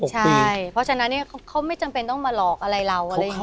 ใช่เพราะฉะนั้นเขาไม่จำเป็นต้องมาหลอกอะไรเราอะไรอย่างนี้